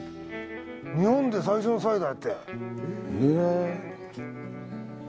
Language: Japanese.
日本で最初のサイダーやって。